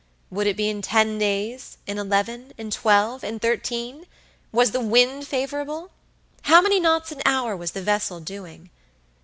Would it be in ten days, in eleven, in twelve, in thirteen? Was the wind favorable? How many knots an hour was the vessel doing?